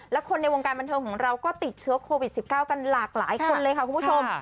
และคนในวงการบันเทิงของเราก็ติดเชื้อโควิด๑๙กันหลากหลายคนเลยค่ะคุณผู้ชม